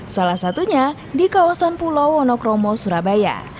salah satunya di kawasan pulau wonokromo surabaya